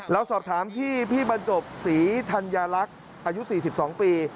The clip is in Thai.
เราสอบถามที่พี่บรรจบศรีธัญลักษณ์อายุ๔๒ปี